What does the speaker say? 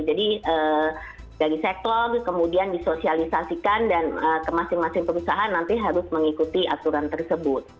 jadi dari sektor kemudian disosialisasikan dan ke masing masing perusahaan nanti harus mengikuti aturan tersebut